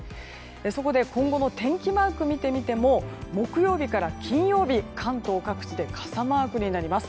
そこで、今後の天気マークを見てみても、木曜日から金曜日関東各地で傘マークになります。